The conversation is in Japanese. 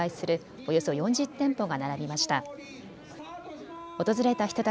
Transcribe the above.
およそ４０店舗が並びました。